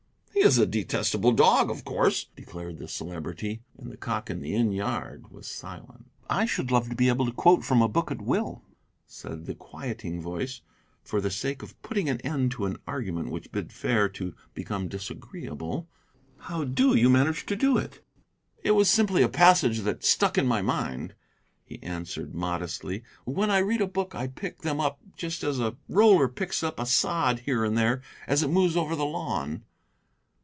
"He is a detestable dog, of course," declared the Celebrity. And the cock in the inn yard was silent. "I should love to be able to quote from a book at will," said the quieting voice, for the sake of putting an end to an argument which bid fair to become disagreeable. "How do you manage to do it?" "It was simply a passage that stuck in my mind," he answered modestly; "when I read a book I pick them up just as a roller picks up a sod here and there as it moves over the lawn."